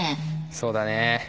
そうだね。